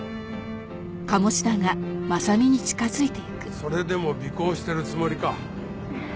それでも尾行してるつもりか？